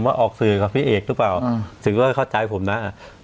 ว่าออกสื่อกับพี่เอกหรือเปล่าถึงว่าเข้าใจผมนะ